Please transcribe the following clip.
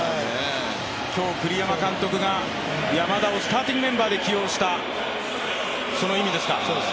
今日、栗山監督が山田をスターティングメンバーで起用した、その意味ですか。